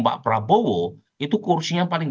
pak prabowo itu kursinya paling